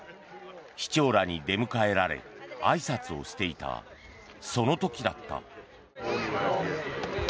市長らに出迎えられあいさつをしていたその時だった。